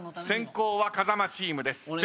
先攻は風間チームです。